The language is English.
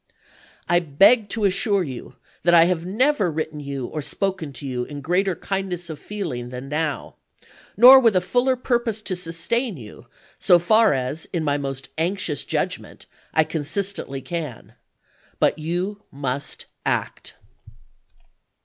I beg to assure you that I have never written you or spoken to you in greater kindness of feeling than now, ^ jj nor with a fuller purpose to sustain you, so far as, in my voi.'xi., most anxious judgment, I consistently can. But you p. 15.' must act.